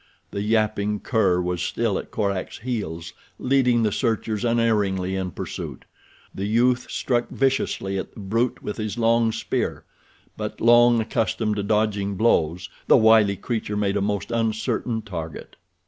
The yapping cur was still at Korak's heels leading the searchers unerringly in pursuit. The youth struck viciously at the brute with his long spear; but, long accustomed to dodging blows, the wily creature made a most uncertain target.